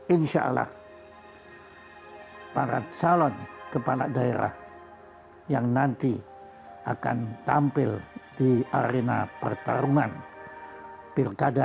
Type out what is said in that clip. insya allah para calon kepala daerah yang nanti akan tampil di arena pertarungan pilkada dua ribu tujuh belas